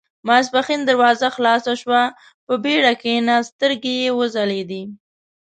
ماسپښين دروازه خلاصه شوه، په بېړه کېناست، سترګې يې وځلېدې.